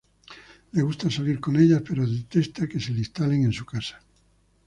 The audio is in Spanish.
Le gusta salir con ellas pero detesta que se le instalen en su casa.